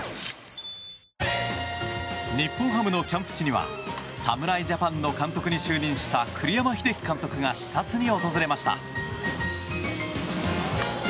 日本ハムのキャンプ地には侍ジャパンの監督に就任した栗山英樹監督が視察に訪れました。